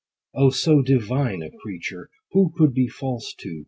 O, so divine a creature, Who could be false to